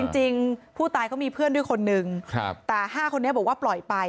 จริงผู้ตายเขามีเพื่อนด้วยคนนึงแต่๕คนนี้บอกว่าปล่อยไป